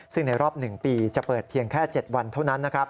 ซึ่งในรอบ๑ปีจะเปิดเพียงแค่๗วันเท่านั้นนะครับ